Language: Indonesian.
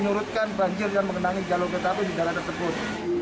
menurutkan banjir yang mengenangi jalur ketapian di jalan tersebut